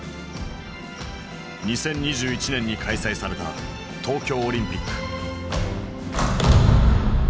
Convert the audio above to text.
２０２１年に開催された東京オリンピック。